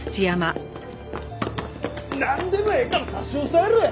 なんでもええから差し押さえろや！